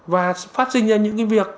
và phát sinh ra những cái việc